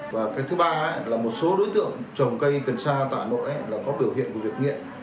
và thứ ba là một số đối tượng trồng cây cần sa tại hà nội có biểu hiện của việc nghiện